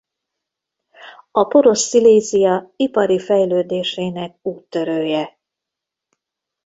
A porosz Szilézia ipari fejlődésének úttörője.